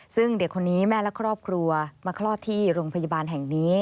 ซึ่งเด็กคนนี้แม่และครอบครัวมาคลอดที่โรงพยาบาลแห่งนี้